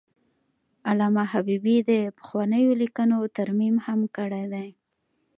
علامه حبیبي د پخوانیو لیکنو ترمیم هم کړی دی.